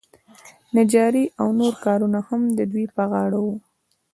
نجاري او نور کارونه هم د دوی په غاړه وو.